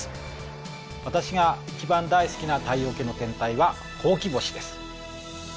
私が一番大好きな太陽系の天体はほうき星です。